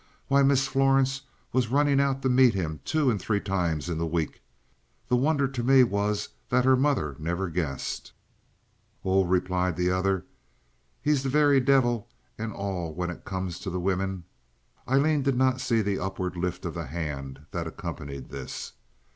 Why, Miss Florence was runnin' out to meet him two and three times in the week. The wonder to me was that her mother never guessed." "Och," replied the other, "he's the very divil and all when it comes to the wimmin." (Aileen did not see the upward lift of the hand that accompanied this).